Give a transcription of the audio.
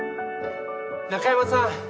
中山さん！